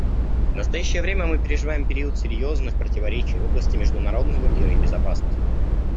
В настоящее время мы переживаем период серьезных противоречий в области международного мира и безопасности.